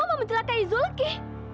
robo mau mencelakai zulki